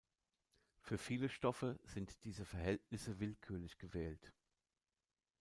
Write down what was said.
Für viele Stoffe sind diese Verhältnisse willkürlich gewählt.